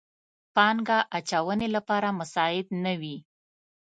پانګه اچونې لپاره مساعد نه وي.